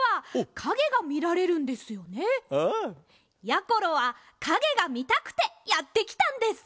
やころはかげがみたくてやってきたんです。